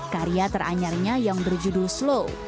karya teranyarnya yang berjudul slow